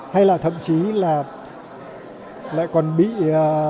hay là thậm chí là bất cứ cái công việc của mình thôi thì cũng đã thiệt hại như thế nào